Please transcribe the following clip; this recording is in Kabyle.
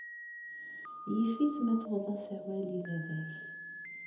Yif-it ma tuɣeḍ-as awal i baba-k.